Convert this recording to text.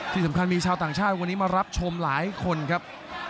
ที่สำคัญมีชาวต่างชาติวันนี้มารับชมหลายคนครับ